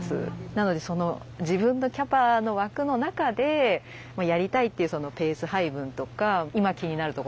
なので自分のキャパの枠の中でやりたいっていうそのペース配分とか今気になるところですかね。